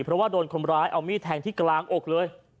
เพราะว่าโดนคนร้ายเอามีดแทงที่กลางอกเลย